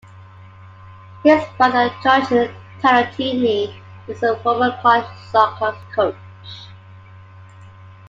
His brother George Tarantini is a former college soccer coach.